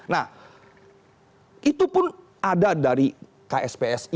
nah itu pun ada dari kspsi